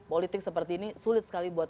politik seperti ini sulit sekali buat